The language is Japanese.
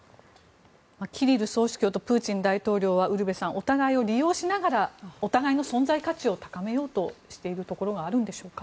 キリル総主教とプーチン大統領はウルヴェさんお互いを利用しながらお互いの存在価値を高めようとしているところがあるんでしょうか。